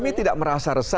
kami tidak merasa resah